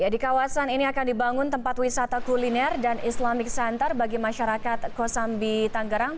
di kawasan ini akan dibangun tempat wisata kuliner dan islamic center bagi masyarakat kosambi tanggerang